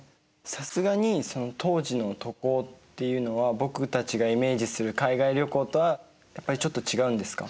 さすがにその当時の渡航っていうのは僕たちがイメージする海外旅行とはやっぱりちょっと違うんですか？